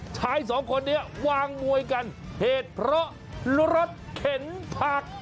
ชายสองคนนี้วางมวยกันเหตุเพราะรถเข็นผัก